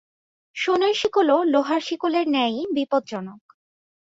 সোনার শিকলও লোহার শিকলের ন্যায়ই বিপজ্জনক।